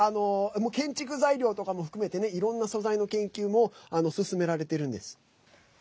建築材料とかも含めてねいろんな素材の研究も進められてるんです。